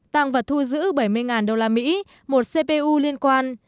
tăng vật thu giữ bảy mươi usd một cpu liên quan